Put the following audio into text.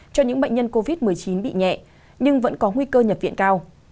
cho những bệnh nhân covid một mươi chín bị nhẹ nhưng vẫn có nguy cơ nhập viện cao